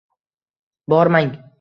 Bormang!